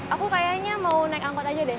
aku kayaknya mau naik angkot aja deh